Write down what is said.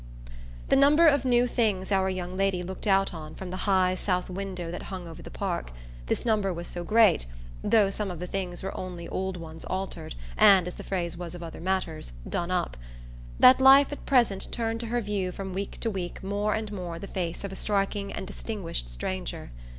The number of new things our young lady looked out on from the high south window that hung over the Park this number was so great (though some of the things were only old ones altered and, as the phrase was of other matters, done up) that life at present turned to her view from week to week more and more the face of a striking and distinguished stranger.